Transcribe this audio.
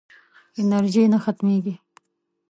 انرژي نه ختمېږي.